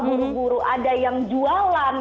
buru buru ada yang jualan